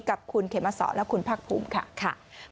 กับคุณเขมสและคุณพักภูมิค่ะ